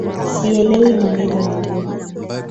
Sielewi maneno magumu